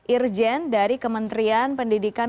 irjen dari kementerian pendidikan